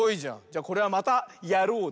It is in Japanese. じゃこれは「またやろう！」